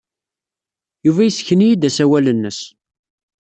Yuba yessken-iyi-d asawal-nnes.